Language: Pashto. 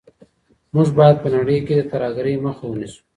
موږ باید په نړۍ کي د ترهګرۍ مخه ونیسو.